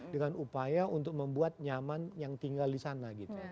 dengan upaya untuk membuat nyaman yang tinggal disana gitu